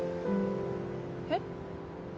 えっ？